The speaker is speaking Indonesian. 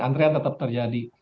antrian tetap terjadi